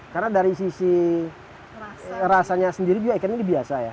karena dari sisi rasanya sendiri juga ikan ini biasa ya